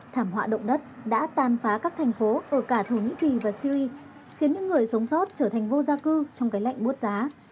thảm họa động đất đã tàn phá các thành phố ở cả thổ nhĩ kỳ và syri khiến những người sống sót trở thành vô gia cư trong cái lạnh bút giá